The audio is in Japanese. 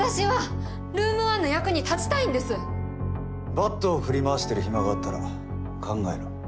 バットを振り回してる暇があったら考えろ。